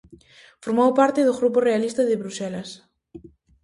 Formou parte do grupo realista de Bruxelas.